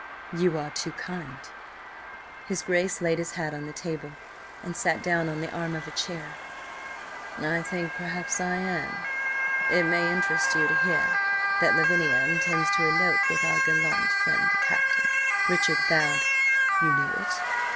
"You are too kind." His Grace laid his hat on the table, and sat down on the arm of a chair. "I think perhaps I am. It may interest you to hear that Lavinia intends to elope with our gallant friend the Captain." Richard bowed. "You knew it?"